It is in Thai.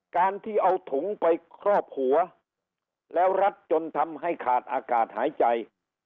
การที่เอาถุงไปครอบหัวแล้วรัดจนทำให้ขาดอากาศหายใจ